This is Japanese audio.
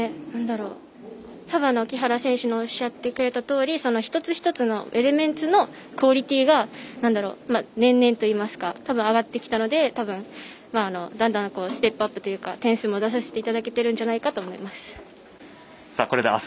木原選手のおっしゃってくれたとおり一つ一つのエレメンツのクオリティーが年々といいますか上がってきたので、たぶんだんだんステップアップというか点数も出させていただけてるんじゃないかと思います。